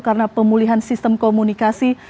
karena pemulihan sistem komunikasi